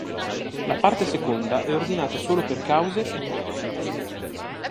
La parte seconda è ordinata solo per cause e canoni.